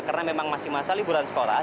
karena memang masih masa liburan sekolah